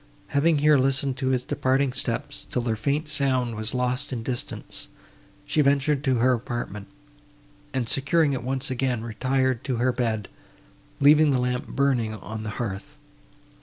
Having here listened to his departing steps, till their faint sound was lost in distance, she ventured to her apartment, and, securing it once again, retired to her bed, leaving the lamp burning on the hearth.